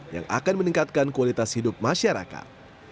yang akan meningkatkan kualitas hidup masyarakat